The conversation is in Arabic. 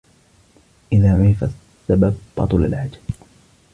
إذا عُرِفَ السبب بطل العجب